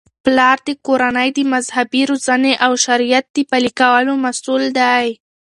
پلار د کورنی د مذهبي روزنې او د شریعت د پلي کولو مسؤل دی.